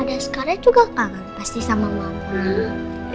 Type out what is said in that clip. ada sekarang juga kangen pasti sama mama